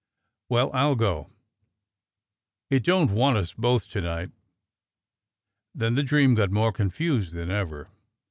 Well, I'll go, it don't want us both to night." Then the dream got more confused than ever.